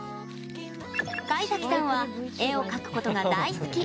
怪崎さんは絵を描くことが大好き。